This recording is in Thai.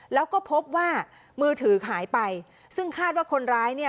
แล้วก็พบว่ามือถือหายไปซึ่งคาดว่าคนร้ายเนี่ย